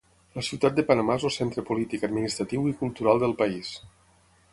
La ciutat de Panamà és el centre polític, administratiu i cultural del país.